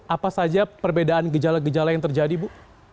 apa saja perbedaan gejala gejala yang terjadi bu